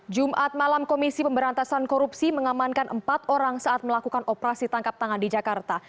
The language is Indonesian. jumat malam komisi pemberantasan korupsi mengamankan empat orang saat melakukan operasi tangkap tangan di jakarta